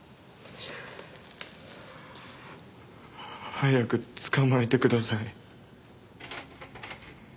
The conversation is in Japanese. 早く捕まえてください。